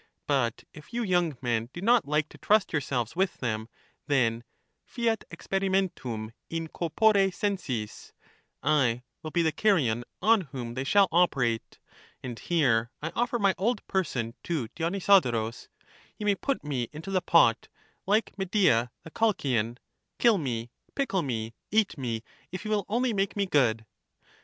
But if you young men do not like to trust yourselves with them, then fiat experi mentum in corpore senis; I will be the Carian on whom they shall operate. And here I offer my old person to Dionysodorus ; he may put me into the pot, like Medea the Colchian, kill me, pickle me, eat me, if he will only make me good.